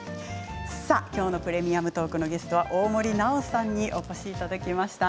きょうの「プレミアムトーク」のゲストは大森南朋さんにお越しいただきました。